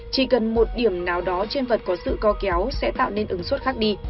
chỉ cần một điểm nào đó trên vật có sự co kéo sẽ tạo nên ứng suất khác đi